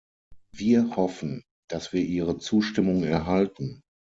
Wir hoffen, dass wir Ihre Zustimmung erhalten.